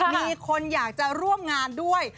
มีคนอยากจะร่วมงานด้วย